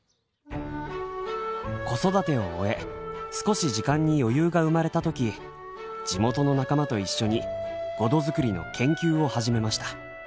子育てを終え少し時間に余裕が生まれた時地元の仲間と一緒にごど作りの研究を始めました。